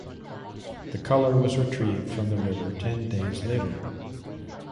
The Colour was retrieved from the river ten days later.